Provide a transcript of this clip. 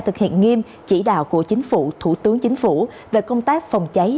thực hiện nghiêm chỉ đạo của chính phủ thủ tướng chính phủ về công tác phòng cháy